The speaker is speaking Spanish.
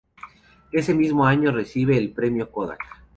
Ese mismo año recibe el Premio Kodak.